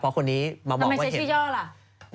เพราะคนนี้มาบอกว่าเห็นชื่อย่อล่ะ